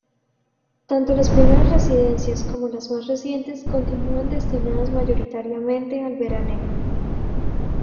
Tanto las primeras residencias como las más recientes continúan destinadas mayoritariamente al veraneo.